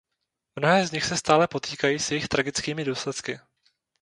Mnohé z nich se stále potýkají s jejich tragickými důsledky.